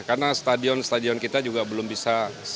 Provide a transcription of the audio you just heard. karena stadion stadion kita juga belum bisa